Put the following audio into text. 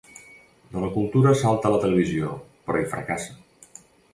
De la cultura salta a la televisió, però hi fracassa.